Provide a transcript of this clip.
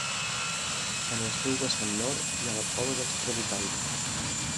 En el seu vessant nord hi ha la Cova dels Trabucaires.